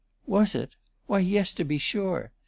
"Was it? Why, yes, to be sure.